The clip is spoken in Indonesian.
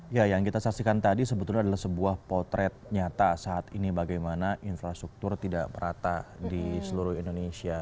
ya yang kita saksikan tadi sebetulnya adalah sebuah potret nyata saat ini bagaimana infrastruktur tidak merata di seluruh indonesia